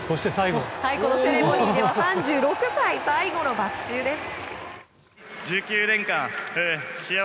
セレモニーでは３６歳最後のバク宙です。